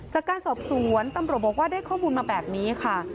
จากการสอบสวนตำรวจบอกว่าได้ข้อมูลมาแบบนี้ค่ะ